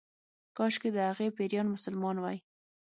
کشکې د هغې پيريان مسلمان وای